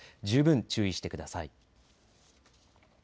十分注意してください。